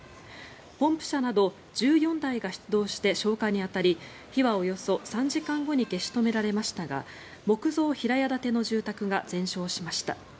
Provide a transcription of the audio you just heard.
ポンプ車など１４台が出動して消火に当たり火はおよそ３時間後に消し止められましたが木造平屋建ての住宅が全焼しました。